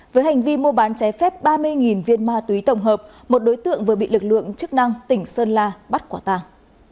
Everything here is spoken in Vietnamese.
với hành vi mua bán trái phép ba mươi viên ma túy tổng hợp một đối tượng vừa bị lực lượng chức năng tỉnh sơn la bắt quả tàng